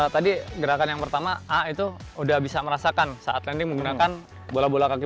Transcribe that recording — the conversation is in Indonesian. tadi gerakan yang pertama a itu udah bisa merasakan saat landing menggunakan bola bola kaki